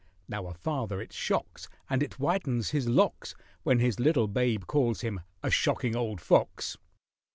Now a father it shocks, And it whitens his locks, When his little babe calls him a shocking old fox.